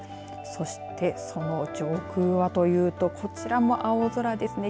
そして、その上空はというとこちらも青空ですね